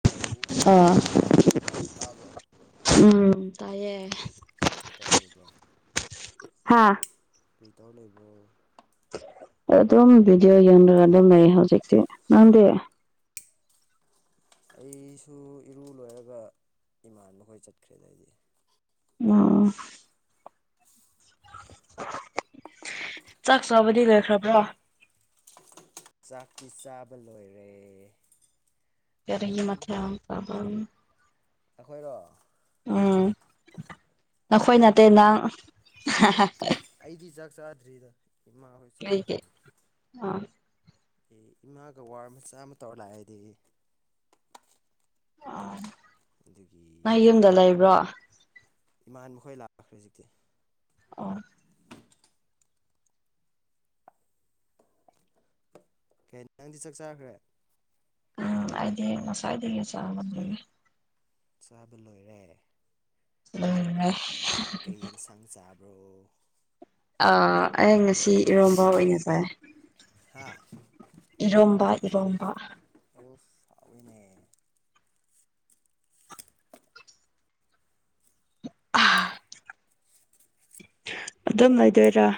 hello ꯑꯥ ꯇꯥꯕ꯭ꯔꯣ ꯎꯝ ꯇꯥꯏꯌꯦ ꯀꯩ ꯇꯧꯔ ꯂꯩꯕ꯭ꯔꯣ ꯍꯥꯥ ꯀ꯭ꯔꯤꯇꯔ ꯂꯩꯕꯣ ꯑꯗꯨ ꯑꯗꯨꯝ ꯕꯤꯗꯤꯑꯣꯒꯤ ꯑꯗꯨ ꯑꯗꯨꯝ ꯍꯧꯖꯤꯛꯇꯤ ꯅꯪꯗꯤ ꯑꯩꯁꯨ ꯏꯔꯨ ꯂꯣꯏꯔꯒ ꯏꯃꯥꯟꯅꯕꯈꯣꯏ ꯆꯠꯈ꯭ꯔꯦꯗꯗꯤ ꯑ ꯆꯥꯛ ꯆꯥꯕꯗꯤ ꯂꯣꯏꯈ꯭ꯔꯕ꯭ꯔꯣ ꯆꯥꯛꯇꯤ ꯆꯥꯕ ꯂꯣꯏꯔꯦ ꯀꯦꯔꯤꯍꯤ ꯅꯪ ꯃꯊ ꯑꯃ ꯄꯥꯕꯨꯡ ꯑꯩꯈꯣꯏꯔꯣ ꯎꯝ ꯅꯈꯣꯏ ꯅꯠꯇꯦ ꯅꯪ ꯑꯩꯗꯤ ꯆꯥꯛ ꯆꯥꯗ꯭ꯔꯤꯗ ꯏꯃꯥ ꯍꯣꯏ ꯂꯩꯦ ꯑ ꯑꯦ ꯏꯃꯥꯒ ꯋꯥꯔ ꯃꯆꯥ ꯑꯃ ꯇꯧꯔ ꯂꯥꯛꯑꯗꯤ ꯑꯣ ꯑꯗꯨꯒꯤ ꯅꯪ ꯌꯨꯝꯗ ꯂꯩꯕ꯭ꯔꯣ ꯏꯃꯥꯟ ꯃꯈꯣꯏ ꯂꯥꯛꯈ꯭ꯔꯦ ꯍꯧꯖꯤꯛꯇꯤ ꯑꯣ ꯀꯩ ꯅꯪꯗꯤ ꯆꯥꯛ ꯆꯥꯈ꯭ꯔꯦ ꯎꯝ ꯑꯩꯗꯤ ꯉꯁꯥꯏꯗꯒꯤ ꯆꯥꯕꯦ ꯆꯥꯕ ꯂꯣꯏꯔꯦ ꯎꯝꯃꯦ ꯊꯪ ꯆꯥꯕ꯭ꯔꯣ ꯑꯩ ꯉꯁꯤ ꯏꯔꯣꯝꯕ ꯑꯣꯏꯅꯖꯥꯏ ꯍꯥꯥ ꯏꯔꯣꯝꯕ ꯏꯔꯣꯝꯕ ꯑ ꯐꯅꯦ ꯑꯗꯨꯝ ꯂꯩꯗꯣꯏꯔꯥ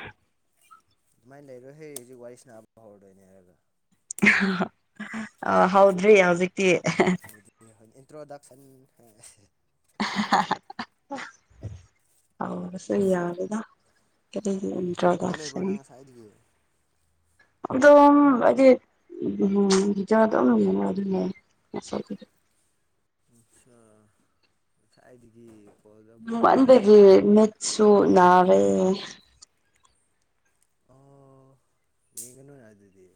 ꯑꯗꯨꯃꯥꯏꯅ ꯂꯩꯔꯣꯏ ꯍꯌꯦ ꯍꯧꯖꯤꯛ ꯋꯥꯔꯤ ꯁꯥꯅꯕ ꯍꯧꯔꯗꯣꯏꯅꯦ ꯍꯥꯏꯔꯒ ꯍꯧꯗ꯭ꯔꯤ ꯍꯧꯖꯤꯛꯇꯤ ꯑꯗꯨꯗꯤ ꯍꯣꯏ ꯏꯟꯇ꯭ꯔꯣꯗꯛꯁꯟ ꯑꯗ ꯍꯁꯨ ꯌꯥꯔꯗ [unintelligible] ꯀꯩ ꯇꯧꯔ ꯂꯩꯕ꯭ꯔꯣ ꯅꯪ ꯉꯁꯥꯏꯗꯒꯤ ꯑꯗꯨꯝ ꯑꯩꯗꯤ ꯎ ꯎꯝ ꯖ ꯑꯗꯨꯝ ꯑꯗꯨꯝ ꯉꯁꯥꯏꯗꯒꯤ ꯀꯣꯜ ꯇ ꯄꯤꯔꯛꯅꯕ ꯂꯩꯇꯕ꯭ꯔꯕꯣ ꯁꯨ ꯅꯥꯔꯦ ꯑꯣ ꯌꯦꯡꯒꯅꯨꯅꯦ ꯑꯗꯨꯗꯤ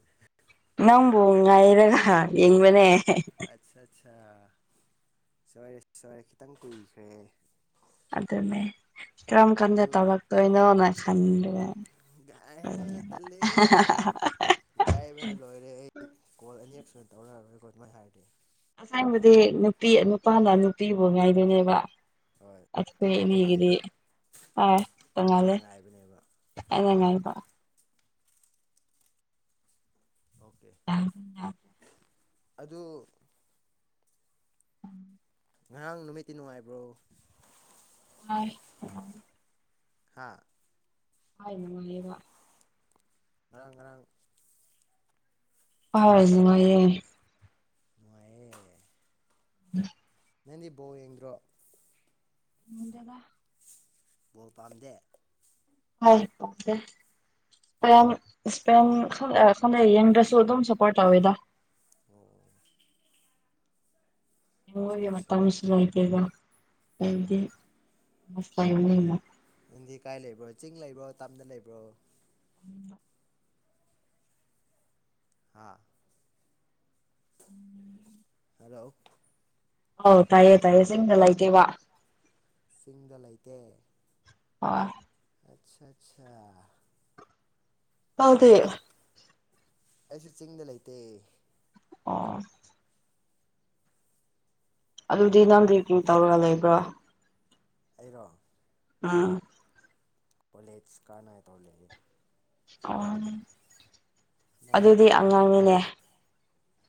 ꯅꯪꯕꯨ ꯉꯥꯏꯔꯒ ꯌꯦꯡꯕꯅꯦ ꯑꯠꯆꯥ ꯑꯠꯆꯥ ꯁꯔꯦꯔꯦ ꯈꯤꯇꯪ ꯀꯨꯏꯈ꯭ꯔꯦ ꯑꯗꯨꯃꯦ ꯀꯝ ꯀꯟꯗꯦ ꯑꯗꯨ ꯇꯕ ꯇꯣ ꯏꯅꯣꯅ ꯈꯟ꯭ꯔ ꯀꯥꯏꯅ ꯎꯝ ꯇꯜꯂꯦ ꯏꯀꯥꯏꯕꯅ ꯂꯣꯏꯔꯦ ꯑꯩ ꯀꯣꯜ ꯑꯅꯤꯌꯦꯛ ꯁꯅ ꯇꯧꯔꯛꯑꯔꯣꯏꯀꯣ ꯑꯗꯨꯃꯥꯏꯅ ꯍꯥꯏꯔꯗꯤ ꯑꯁꯥꯏꯕꯗꯤ ꯅꯨꯄꯤ ꯅꯨꯄꯥꯅ ꯅꯨꯄꯤꯕꯨ ꯉꯥꯏꯗꯣꯏꯅꯦꯕ ꯍꯣꯏ ꯑꯈꯣꯏ ꯑꯩꯒꯤꯗꯤ ꯃꯤꯒꯤꯗꯤ ꯇꯣꯡꯉꯥꯜꯂꯦꯕ ꯑ ꯅꯪꯅ ꯆꯉꯥꯂꯦ ꯉꯥꯏꯕꯅꯦꯕ ꯑꯗꯨꯉꯥꯏꯔꯤꯕ ꯑꯣꯀꯦ [unintelligible] ꯑꯗꯨ ꯉꯔꯥꯡ ꯅꯨꯃꯤꯠꯇꯤ ꯅꯨꯡꯉꯥꯏꯕ꯭ꯔꯣ ꯍꯥꯏ ꯍꯥꯥ ꯍꯥꯏꯅꯨꯡꯉꯥꯏꯌ°ꯕ ꯉꯔꯥꯡ ꯉꯔꯥꯡ ꯍꯥ ꯑꯗꯨꯅꯨꯡꯉꯥꯏꯌꯦ ꯅꯨꯉꯥꯏꯌ° ꯎꯝ ꯅꯪꯗꯤ ꯕꯣ ꯌꯦꯡꯗ꯭ꯔꯣ [inaudible] ꯕꫭꯜ ꯄꯥꯝꯗ° ꯍꯣꯏ ꯏꯁꯄ ꯏꯁꯄꯦꯟ ꯈꯂ ꯌꯦꯡꯗ꯭ꯔꯁꯨ ꯑꯗꯨꯝ ꯁꯞꯄꯣꯔꯠ ꯇꯧꯋꯦꯗ ꯑꯣ ꯑꯠꯆꯥ ꯌꯦꯉꯣꯏꯒꯤ ꯑꯠꯆꯥ ꯃꯇꯥꯡꯁꯨ ꯂꯩꯇꯦꯕ ꯑꯩꯗꯤ ꯎꯗꯤ ꯀꯥꯏ ꯂꯩꯕ꯭ꯔꯣ ꯆꯤꯡ ꯂꯩꯕ꯭ꯔꯣ ꯇꯝꯅ ꯂꯩꯕ꯭ꯔꯣ ꯎꯝ ꯍꯥꯥ ꯍꯜꯂꯣ ꯑꯣ ꯇꯌꯦꯦ ꯇꯥꯏꯌꯦ ꯆꯤꯡꯗ ꯂꯩꯇ°ꯕ ꯆꯤꯡꯗ ꯂꯩꯇꯦ ꯍꯣꯏ ꯑꯆꯥ ꯑꯆꯥ ꯍꯗ ꯑꯩꯁꯨ ꯆꯤꯡꯗ ꯂꯩꯇꯦ ꯑꯣ ꯑꯗꯨꯗꯤ ꯅꯪ ꯀ ꯇꯧꯔꯒ ꯂꯩꯕ꯭ꯔꯣ ꯑꯩꯔꯣ ꯎꯝ ꯀꯣꯂꯦꯖ ꯀꯥꯟꯅ ꯇꯧ ꯂꯩꯒꯦ ꯑꯣ ꯅꯪꯗꯤ ꯑꯗꯨꯗꯤ ꯑꯉꯥꯡꯅꯤꯅꯦ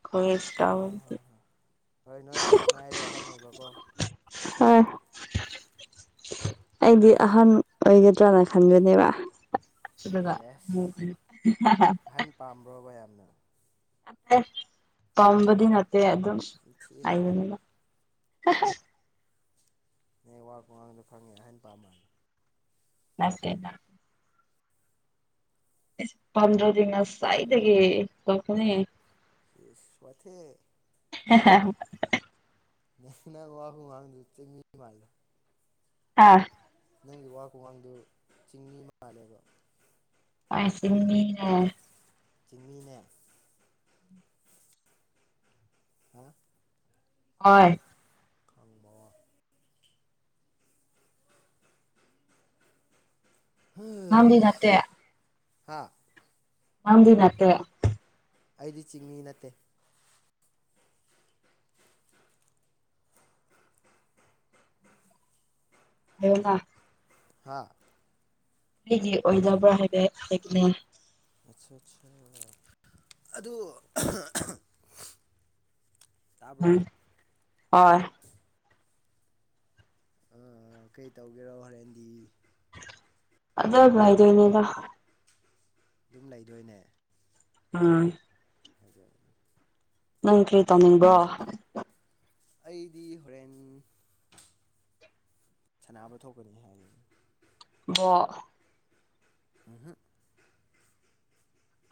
ꯀꯣꯂꯦꯖ ꯍꯣꯏꯣꯏ ꯍꯣꯏ ꯀꯥꯕꯗꯤ ꯍꯣꯏ ꯍꯣꯏ ꯅꯣꯏ ꯈꯛ ꯉꯥꯏꯔꯦ ꯑꯍꯥꯟ ꯑꯣꯏꯕꯀꯣ ꯍꯣꯏ ꯑꯩꯗꯤ ꯑꯍꯟ ꯑꯣꯏꯒꯗ꯭ꯔꯅ ꯈꯟꯕꯅꯦꯕ ꯑꯗꯨꯒ ꯆꯦꯁ ꯑꯍꯟ ꯄꯥꯝꯕ꯭ꯔꯣꯕ ꯌꯥꯝꯅ ꯑ ꯀꯝꯕꯗꯤꯅꯠꯇ ꯑꯗꯨ ꯑꯗꯨ ꯊꯤꯅꯗ ꯍꯥꯏꯏꯅꯤꯅ ꯅꯦꯠꯋꯥꯛ ꯋꯥꯉꯥꯡꯗꯣ ꯐꯪꯉꯦ ꯍꯥꯏꯅ ꯄꯥꯝꯃꯜꯅꯤ ꯅꯁꯦꯅ ꯑꯩꯁ ꯄꯥꯝꯗ꯭ꯔꯗꯤ ꯉꯁꯥꯏꯗꯒꯤ ꯊꯣꯛꯄꯅꯤ ꯏꯁꯩ ꯋꯥꯊꯤ ꯅ ꯅꯪ ꯃꯈ ꯃꯥꯥꯡꯗ ꯃꯤ ꯃꯥꯔꯂ ꯑꯥ ꯅꯪꯒꯤ ꯋꯥ ꯈꯨꯒꯥꯡꯗꯨ ꯆꯤꯡꯅꯤ ꯃꯥꯜꯂ°ꯕ ꯄꯥꯏꯁꯤꯃꯤꯅꯦ ꯆꯤꯡꯃꯤꯅꯦ ꯍꯥ ꯍ ꯈꯥꯡ ꯃ ꯅꯪꯗꯤ ꯅꯠꯇꯦ ꯍꯥꯥ ꯅꯗ ꯅꯠꯇꯦ ꯑꯩꯗꯤ ꯆꯤꯡꯃꯤ ꯅꯠꯇꯦ ꯍꯅ ꯍꯥꯥ ꯑꯩꯒꯤ ꯑꯣꯏꯗꯕ꯭ꯔꯥ ꯍꯥꯏꯕ ꯍꯥꯏꯅꯦ ꯑꯠꯆꯥ ꯑꯆꯥ ꯑꯗꯨ ꯎ ꯇꯥꯕ꯭ꯔꯣ ꯍꯣꯏ ꯀꯩ ꯇꯧꯒꯦꯔꯣ ꯍꯣꯔꯦꯟꯗꯤ ꯑꯗꯣ ꯥꯏꯗꯣꯏꯅꯦꯗ ꯑꯗꯨꯝ ꯂꯩꯗꯣꯏꯅꯦ ꯎꯝ ꯍꯥꯏꯖꯦ ꯑꯗꯨꯦ ꯅꯪ ꯀꯔꯤ ꯇꯅꯤꯡꯒꯣ ꯑꯩꯗꯤ ꯍꯣꯔꯦꯟ ꯁꯥꯟꯅꯕ ꯊꯣꯛꯀꯅꯤ ꯍꯥꯏꯔꯤꯅꯤ ꯕ ꯍꯍ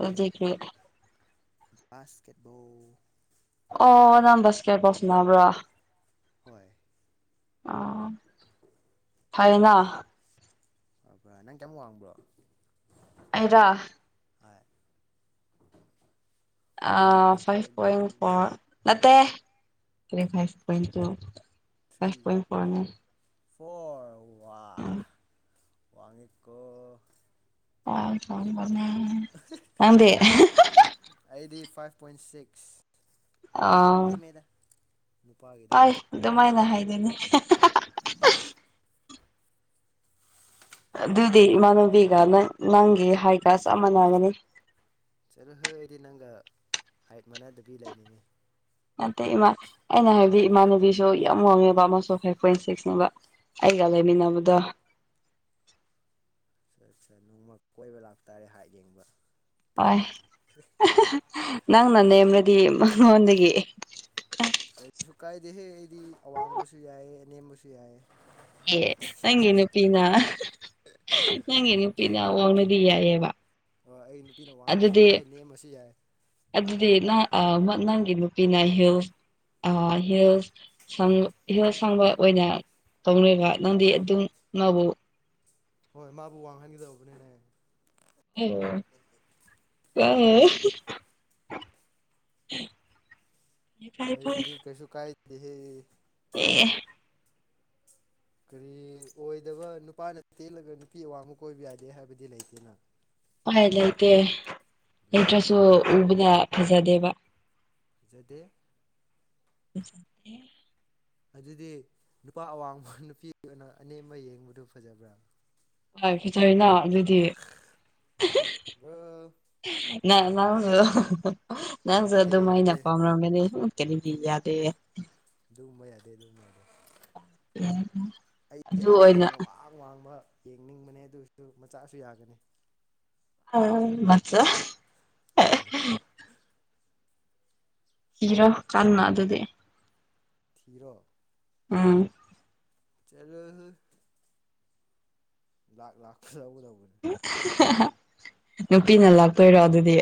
ꯑꯗꯨꯖꯤꯈ ꯕꯥꯁꯀꯦꯠꯕꯣꯜ ꯑꯣ ꯅꯝ ꯁꯀꯦꯔ ꯣꯁꯅꯕ꯭ꯔꯣ ꯍꯣꯏ ꯑ ꯐꯥꯏꯅ ꯐ ꯅꯪ ꯀꯌꯥꯝ ꯋꯥꯡꯕ꯭ꯔꯣ ꯍꯥꯏꯔꯥ ꯍꯣꯏ ꯑ ꯐꯥꯏꯚ ꯄꯣꯏꯟ ꯐꯣꯔ ꯅꯦ ꯐꯥꯏꯚ ꯄ ꯊ꯭ꯔꯤ ꯐꯥꯏꯚ ꯄ ꯐꯣꯔ ꯐꯣꯔ ꯋꯥ ꯋꯥꯅꯤꯀꯣ ꯀꯥꯎ ꯆꯕꯅꯦ ꯑ ꯅꯪꯗꯦ ꯑꯩꯗꯤ ꯐꯥꯏꯚ ꯄꯣꯏꯟ ꯁꯤꯛꯁ ꯑ ꯅꯦꯝꯃꯦꯗ ꯅꯨꯄꯥꯒꯤꯗ ꯐꯥꯏ ꯍꯥꯏꯔꯗꯤ ꯑꯗꯨꯃꯥꯏꯅ ꯍꯥꯏꯗꯨꯅꯤ ꯑꯗꯨꯗꯤ ꯏꯃꯥꯟꯅꯨꯕꯤꯒ ꯅꯪ ꯅꯪꯒꯤ ꯍꯥꯏꯒ ꯆꯞ ꯃꯥꯟꯅꯒꯅꯤ ꯆꯠꯂꯨ ꯍꯣꯏ ꯑꯩꯗꯤ ꯅꯪꯒ ꯍꯥꯏꯠ ꯃꯥꯟꯅꯗꯕꯤ ꯂꯩꯅꯤꯡꯉꯤ ꯅꯠꯇꯦ ꯏꯃꯥ ꯑꯩꯅ ꯍꯥꯏꯕꯗꯤ ꯏꯃꯥꯟꯅꯕꯤꯁꯨ ꯌꯥꯝ ꯋꯥꯡꯉꯦꯕ ꯑꯃꯁꯨ ꯐꯥꯏꯚ ꯄꯣꯏꯟ ꯁꯤꯛꯁꯅꯦꯕ ꯑꯣ ꯑꯩꯒꯦꯃꯤꯟꯅꯕꯗ ꯅꯣꯡꯃ ꯀꯣꯏꯕ ꯂꯥꯛꯇꯥꯔꯦ ꯍꯥꯏ ꯌꯦꯡꯕ ꯍꯣꯏ ꯅꯪꯅ ꯅꯦꯝꯔꯗꯤ ꯅꯉꯣꯟꯗꯒꯤ ꯑꯗꯨꯁꯨ ꯀꯥꯏꯗꯦꯍꯦ ꯑꯩꯗꯤ ꯑꯋꯥꯡꯕꯁꯨ ꯌꯥꯏꯑ ꯑꯅꯦꯝꯕꯁꯨ ꯌꯥꯏꯑ ꯑꯦ ꯅꯪꯒꯤ ꯅꯨꯄꯤꯅ ꯅꯪꯒꯤ ꯅꯨꯄꯤꯅ ꯋꯥꯡꯅꯗꯤ ꯌꯥꯏꯑꯕ ꯑꯣ ꯑꯩ ꯅꯨꯄꯤꯅ ꯋꯥꯡꯉꯁꯨ ꯌꯥꯏ ꯅꯦꯝꯃꯁꯨ ꯌꯥꯏ ꯑꯗꯨꯗꯤ ꯅꯪꯒꯤ ꯅꯨꯄꯤꯅ ꯍꯤꯜꯁ ꯍꯤꯜꯁ ꯁꯪ ꯍꯍꯣꯜ ꯁꯪꯕ ꯑꯣꯏꯅ ꯇꯧꯅꯔꯤꯕ ꯅꯪꯗꯤ ꯑꯗꯨꯝ ꯃꯥꯕꯨ ꯍꯣꯏ ꯃꯥꯕꯨ ꯋꯥꯡꯍꯟꯒꯗꯧꯕꯅꯦꯅꯦ ꯎꯝ ꯍ ꯐꯩ ꯐꯩ ꯑꯩꯗꯤ ꯀꯁꯨ ꯀꯥꯏꯦ ꯑꯦ ꯀꯔꯤ ꯑꯣꯏꯗꯕ ꯅꯨꯄꯥꯅ ꯇꯦꯜꯂꯒ ꯅꯨꯄꯤ ꯑꯋꯥꯕ ꯀꯣꯏꯕ ꯌꯥꯗꯦ ꯍꯥꯏꯕꯗꯤ ꯂꯩꯇꯦꯅ ꯍꯣꯏ ꯂꯩꯇꯦ ꯂꯩꯇ꯭ꯔꯁꯨ ꯎꯕꯗ ꯐꯖꯗꯦꯕ ꯆꯗꯤ ꯖꯦ ꯑꯗꯨꯗꯤ ꯅꯨꯄꯥ ꯑꯋꯥꯡꯕ ꯅꯨꯄꯤ ꯑꯣꯏꯅ ꯑꯅꯦꯝ ꯑꯃ ꯌꯦꯡꯕꯗꯨ ꯐꯖꯕ꯭ꯔꯥ ꯍꯣꯏ ꯐꯖꯅ ꯑꯗꯨꯗꯤ ꯕ꯭ꯔꯣ ꯅ ꯅꯪꯁꯨ ꯅꯪꯁꯨ ꯌꯥꯗꯦ ꯑꯗꯨꯝ ꯑꯩꯅ ꯌꯥꯗꯦ ꯄꯥꯝꯔꯒꯅꯤ ꯀꯅꯤ ꯌꯥꯦ ꯑꯗꯨꯒꯨꯝꯕ ꯌꯥꯗꯦ ꯑꯗꯨꯝꯕ ꯌꯥꯗꯦ ꯎꯝ ꯎꯝ ꯑꯩꯗꯤ ꯑꯩꯗꯒꯤ ꯍꯦꯟꯅ ꯋꯥꯡ ꯋꯥꯡꯕ ꯌꯦꯡꯅꯤꯡꯕꯅꯦ ꯑꯗꯨ ꯑꯣꯏꯁꯨ ꯃꯆꯥꯁꯨ ꯌꯥꯒꯅꯤ ꯑ ꯃꯆꯥ ꯎꯝ ꯏꯔꯣ ꯀꯅ ꯑꯗꯨꯗꯤ ꯊꯔꯣ ꯎꯝ ꯆꯂꯣ ꯑꯍ ꯂꯥꯛ ꯂꯥꯛꯄ ꯂꯧꯒꯗꯧꯕꯅꯤ ꯅꯨꯄꯤꯅ ꯂꯥꯛꯇꯣꯏꯔꯣ ꯑꯗꯨꯗꯤ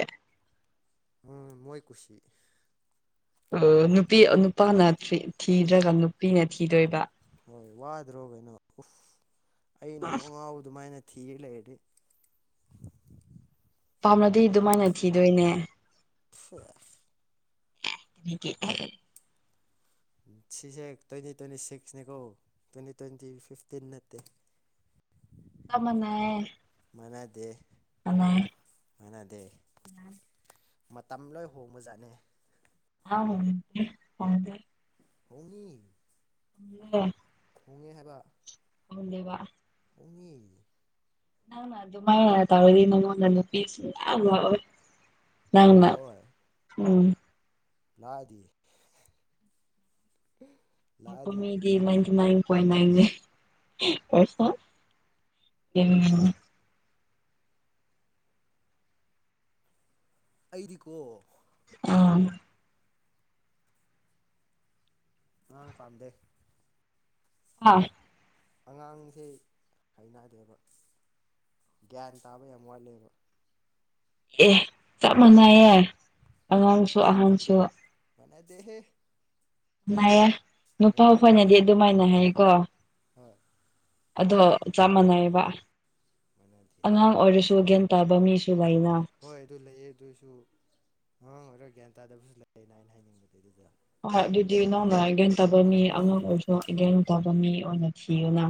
ꯎꯝ ꯃꯣꯏ ꯀꯨꯁꯤ ꯅꯨꯄꯤ ꯅꯨꯄꯥꯅ ꯊꯤꯗ꯭ꯔꯒ ꯅꯨꯄꯤꯅ ꯊꯤꯗꯣꯏꯕ ꯍꯣꯏ ꯋꯥꯗ꯭ꯔꯣ ꯀꯩꯅꯣ ꯎꯐ ꯑꯩꯅ ꯑꯃꯨꯛ ꯑ ꯉꯥꯎꯕ ꯑꯗꯨꯃꯥꯏꯅ ꯊꯤꯒ ꯂꯩꯔꯗꯤ ꯄꯥꯝꯅꯗꯤ ꯑꯗꯨꯃꯥꯏꯅ ꯊꯤꯗꯣꯏꯅꯦ ꯁꯦ ꯍ ꯁꯤꯁꯦ ꯇ꯭ꯋꯦꯟꯇꯤ ꯇ꯭ꯋꯦꯟꯇꯤ ꯁꯤꯛꯁꯅꯦꯀꯣ ꯇ꯭ꯋꯦꯟꯇꯤ ꯇ꯭ꯋꯦꯟꯇꯤ ꯐꯤꯐꯇꯤꯟ ꯅꯠꯇꯦ [unintelligible] ꯃꯅꯥꯌꯦ ꯃꯥꯟꯅꯗꯦ ꯑ ꯁꯃꯅꯗꯦ ꯃꯇꯝ ꯂꯣꯏ ꯍꯣꯡꯕꯖꯥꯠꯅꯤ ꯍ ꯍꯗ ꯍꯗ ꯍꯣꯡꯉ ꯑꯣ ꯍꯣꯡꯉꯦ ꯍꯥꯏꯕ ꯑꯣꯅꯦ ꯋꯥ ꯄꯨꯡꯉ ꯅꯪꯅ ꯑꯗꯨꯃꯥꯏꯅ ꯇꯧꯔꯗꯤ ꯅꯉꯣꯟꯗ ꯅꯨꯄꯤꯁꯨ ꯌꯥꯝ ꯌꯥꯥꯎꯋꯦ ꯂꯃ ꯎꯝ ꯂꯥꯛꯗꯤ ꯣꯏꯗꯤꯟꯇꯤꯟ ꯣꯏꯦ ꯄꯁ ꯎ ꯑꯩꯗꯤꯀꯣ ꯑ ꯑꯉꯥꯡ ꯄꯥꯝꯗꯦ ꯑꯥ ꯑꯉꯥꯡꯁꯦ ꯍꯩꯅꯗꯦꯕ ꯒ꯭ꯌꯥꯟ ꯇꯥꯕ ꯌꯥꯝ ꯋꯥꯠꯂꯦꯕ ꯑꯦ ꯆꯞ ꯃꯥꯟꯅꯩꯌꯦ ꯑꯉꯥꯡꯁꯨ ꯑꯍꯟꯁꯨ ꯃꯅꯗꯦꯍꯦ ꯌꯦ ꯃꯥꯟꯅꯗꯦ ꯅꯨꯄꯥꯈꯣꯏꯅꯗꯤ ꯑꯗꯨꯃꯥꯏꯅ ꯍꯥꯏꯀꯣ ꯍꯣꯏ ꯑꯗꯣ ꯆꯞ ꯃꯥꯟꯅꯩꯑꯕ ꯃꯥꯟꯅꯗꯦ ꯑꯉꯥꯡ ꯑꯣꯏꯔꯁꯨ ꯒ ꯇꯕꯃꯤꯁꯨꯨꯒꯥꯏꯅ ꯍꯣꯏ ꯑꯗꯨ ꯂꯩꯌꯦ ꯑꯗꯨꯑꯣꯏꯁꯨ ꯃꯃꯥꯡ ꯑꯣꯏꯔꯒ ꯒ꯭ꯌꯥꯟ ꯇꯥꯗꯕꯁꯨ ꯂꯩꯌꯦꯅ ꯍꯥꯏꯅ ꯍꯥꯏꯅꯤꯡꯕꯗꯨ ꯑꯗꯨꯗ ꯍꯣꯏ ꯑꯗꯨꯗꯤ ꯏꯅꯧꯅ ꯏꯒꯦꯟ ꯇꯕ ꯃꯤ ꯑꯉꯥꯡ ꯑꯣꯏꯔꯁꯨ ꯏꯒ ꯇꯕ ꯃꯤ ꯑꯣꯏꯅ ꯊꯤꯌꯨꯅ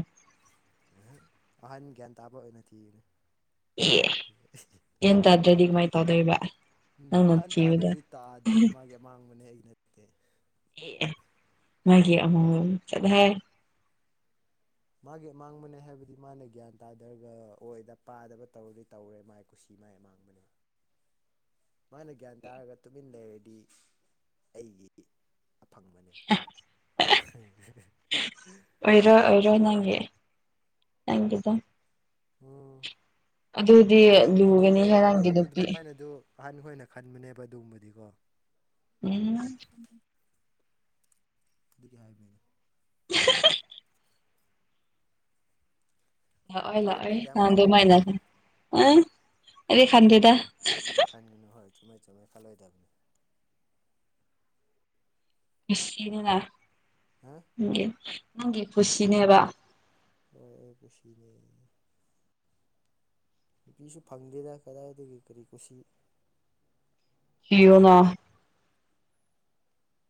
ꯑꯍꯟ ꯒ꯭ꯌꯥꯟ ꯇꯥꯕ ꯑꯣꯏꯅ ꯊꯤꯅꯤ ꯑꯦ ꯌꯦ ꯇꯗ꯭ꯔꯦꯗꯤꯒ ꯃꯥꯏ ꯇꯗꯣ ꯏꯕ ꯒ꯭ꯌꯥꯟ ꯇꯥꯗ꯭ꯔꯗꯤ ꯇꯥꯗ꯭ꯔꯦ ꯃꯥꯒꯤ ꯑꯃꯥꯡꯕꯅꯦ ꯑꯩ ꯅꯠꯇꯦ ꯑꯦ ꯑꯦ ꯃꯥꯒꯤ ꯑꯃ ꯆꯠꯦ ꯃꯥꯒꯤ ꯑꯃꯥꯡꯕꯅꯦ ꯍꯥꯏꯕꯗꯤ ꯃꯥꯅ ꯒ꯭ꯌꯥꯟ ꯇꯥꯗꯔꯒ ꯑꯣꯏꯗ ꯄꯥꯗꯕ ꯇꯧꯔꯗꯤ ꯇꯧꯔꯦ ꯃꯥꯏ ꯀꯨꯁꯤ ꯃꯥꯏ ꯑꯃꯥꯡꯕꯅꯦ [unintelligible] ꯃꯥꯅ ꯒ꯭ꯌꯥꯟ ꯇꯥꯔꯒ ꯇꯨꯃꯤꯟ ꯂꯩꯔꯗꯤ ꯑꯩꯒꯤ ꯑꯐꯪꯕꯅꯦ ꯑꯣꯏꯔꯣꯏ ꯑꯣꯏꯔꯣꯏ ꯅꯪꯒꯤ ꯅꯪꯒꯤ ꯑꯗꯨꯝ ꯑꯣ ꯑꯗꯨꯗꯤ ꯂꯨꯒꯅꯤꯍꯦ ꯑꯗꯨꯅꯦꯕ ꯑꯗꯨ ꯅꯪꯒꯤ ꯑꯗꯨ ꯅꯨꯄꯤ ꯑꯗꯨꯃꯥꯏꯅ ꯑꯗꯨ ꯑꯍꯥꯟꯈꯣꯏ ꯑꯣꯏꯅ ꯈꯟꯕꯅꯦꯕ ꯑꯗꯨꯒꯨꯝꯕꯗꯤꯀꯣ ꯎꯝ ꯑꯗꯨꯒꯤ ꯍꯥꯏꯕꯅꯤꯗ [unintelligible] ꯂꯥꯛꯑꯣꯏ ꯑꯗꯨ ꯂꯥꯛꯑꯣꯏ ꯌꯥꯝ ꯂꯥꯟꯊꯦ ꯈꯟꯒꯅꯨ ꯃꯩꯅꯥ ꯈ ꯑ ꯑꯗꯤ ꯈꯥꯟꯊꯦ ꯇ ꯈꯟꯒꯅꯨ ꯍꯣꯏ ꯆꯨꯝꯃꯩ ꯆꯨꯝꯃꯩ ꯈꯜꯂꯣꯏꯗꯕꯅꯤ ꯍꯥ ꯀꯨꯁꯤꯅꯤꯅꯦꯒꯤ ꯅꯪꯒꯤ ꯈꯨꯨꯁꯤꯅꯦꯕ ꯑꯣ ꯄꯨꯁꯨꯅꯤ ꯅꯨꯄꯤꯁꯨ ꯐꯪꯗꯦꯗ ꯀꯗꯥꯏꯗꯒꯤ ꯀꯔꯤ ꯀꯣꯁꯤ ꯏꯣꯅ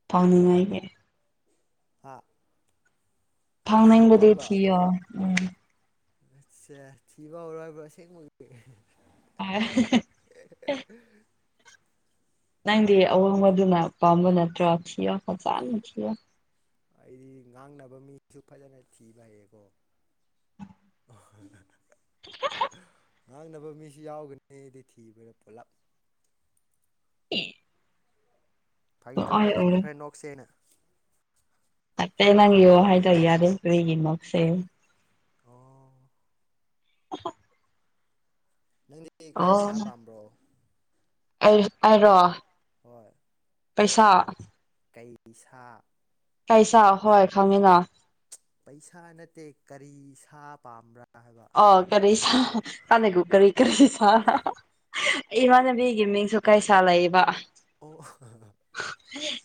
ꯄꯥꯎꯅꯤꯡꯉꯥꯏꯒꯤ ꯍꯥ ꯐꯥꯎꯅ ꯊꯤꯌꯣ ꯃꯗꯩ ꯍꯥꯏꯕ ꯊ ꯑꯠꯁꯦ ꯊꯤꯕ ꯑꯣꯏꯔꯣꯏ ꯍꯥꯏꯕ꯭ꯔꯣ ꯁꯦꯡꯃꯛꯒ ꯑ UNINTELLIGIBLE ꯅꯪꯗꯤ ꯑꯋꯥꯡꯕꯗꯨꯅ ꯄꯥꯝꯕ ꯅꯠꯇ꯭ꯔꯣ ꯊꯤꯌꯣ ꯐꯖꯅ ꯊꯤꯌꯣ ꯑꯩꯗꯤ ꯉꯥꯡꯅꯕ ꯃꯤꯁꯨ ꯐꯖꯅ ꯊꯤꯕ ꯍꯩꯌꯦꯀꯣ ꯑ UNINTELLIGIBLE ꯉꯥꯡꯅꯕ ꯃꯤꯁꯨ ꯌꯥꯎꯒꯅꯤ ꯑꯩꯗꯤ ꯊꯤꯕꯗ ꯄꯨꯂꯞ ꯑꯦ ꯐꯥꯒꯤ ꯇꯧꯔꯝꯅꯤꯗꯅ ꯈꯔ ꯅꯣꯛꯁꯦꯅ ꯅꯠꯇꯇꯩ ꯅꯪ ꯌꯣ ꯍꯥꯏꯗꯧ ꯌꯥꯔꯦ ꯀꯔꯤꯒꯤ ꯅꫭꯛꯁꯦ ꯑꯣ ꯑꯈꯣꯏ ꯅꯪꯗꯤ ꯀꯔꯤ ꯁꯥ ꯄꯥꯝꯕ꯭ꯔꯣ ꯑꯩ ꯑꯩꯔꯣ ꯍꯣꯏ ꯄꯩꯁꯥ ꯄꯩꯁꯥ ꯀꯩꯁꯥ ꯍꯣꯏ ꯈꯪꯉꯤꯅ ꯄꯩꯁꯥ ꯅꯠꯇꯦ ꯀꯔꯤ ꯁꯥ ꯄꯥꯝꯕ꯭ꯔꯥ ꯍꯥꯏꯕ ꯑ ꯀꯔꯤ ꯁꯥ ꯁꯥꯟꯅꯒꯣ ꯀꯔꯤ ꯀꯔꯤ ꯁꯥ ꯏꯃꯥꯟꯅꯕꯤꯒꯤ ꯃꯤꯡꯁꯨ ꯀꯩ ꯁꯥ ꯂꯩꯕ ꯑꯣ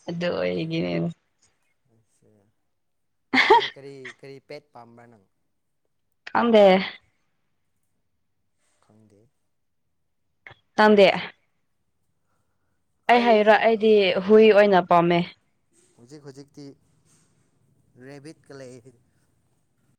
ꯑꯗꯨꯗꯣ ꯍꯦꯒꯅꯦ ꯑꯁꯦ ꯑꯗꯣ ꯀꯔꯤ ꯀꯔꯤ ꯄꯦꯠ ꯄꯥꯝꯕ꯭ꯔꯥ ꯅꯪ ꯈꯪꯗꯦ ꯈꯪꯗꯦ ꯇꯝꯗꯦ ꯑꯩ ꯍꯥꯏꯔꯣ ꯑꯩꯗꯤ ꯍꯨꯏ ꯑꯣꯏꯅ ꯄꯥꯝꯃꯦ ꯍꯧꯖꯤꯛ ꯍꯧꯖꯤꯛꯇꯤ ꯔꯦꯕꯤꯠꯀ ꯂꯩ